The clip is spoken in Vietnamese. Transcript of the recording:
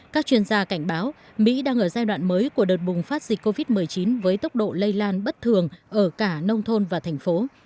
các chuyên gia cảnh báo mỹ đang ở giai đoạn mới của đợt bùng phát dịch covid một mươi chín với tốc độ lây lan bất thường ở cả nông thôn và thành phố